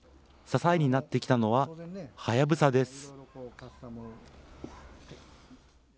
支えになってきたのは、隼です。